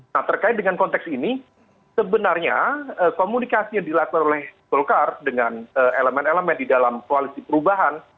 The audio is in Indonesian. nah terkait dengan konteks ini sebenarnya komunikasi yang dilakukan oleh golkar dengan elemen elemen di dalam koalisi perubahan